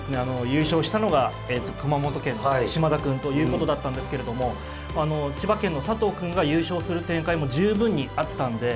優勝したのが熊本県の嶋田くんということだったんですけれどもあの千葉県の佐藤くんが優勝する展開も十分にあったんで。